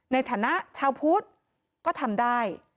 ในฐานะชาวพุทธก็ทำได้